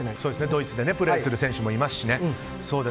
ドイツでプレーする選手もいますしね。